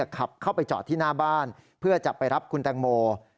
ขับเข้าไปจอดที่หน้าบ้านเพื่อจะไปรับคุณแตงโม